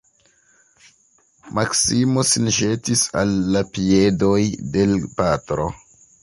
Maksimo sin ĵetis al la piedoj de l' patro.